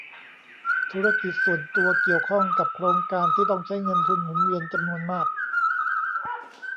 ธุรกิจส่วนตัวเกี่ยวข้องกับโครงการที่ต้องใช้เงินทุนหมุนเวียนจำนวนมาก